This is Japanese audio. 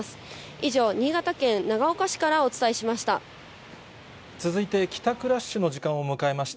以上、新潟県長岡市からお伝えしました。